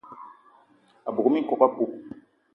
A bug minkok apoup